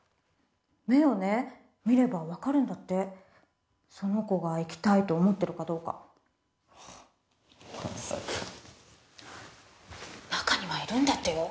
目をね見れば分かるんだってその子が生きたいと思ってるかどうかまさか中にはいるんだってよ